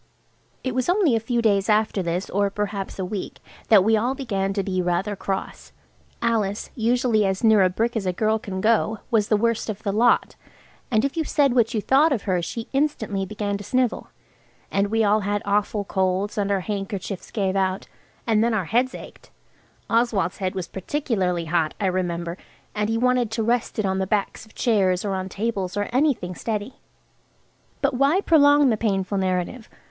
It was only a few days after this, or perhaps a week, that we all began to be rather cross. Alice, usually as near a brick as a girl can go, was the worst of the lot, and if you said what you thought of her she instantly began to snivel. And we all had awful colds, and our handkerchiefs gave out, and then our heads ached. Oswald's head was particularly hot, I remember, and he wanted to rest it on the backs of chairs or on tables–or anything steady. But why prolong the painful narrative?